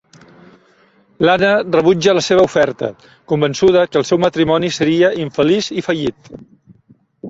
L'Anne rebutja la seva oferta, convençuda que el seu matrimoni seria infeliç i fallit.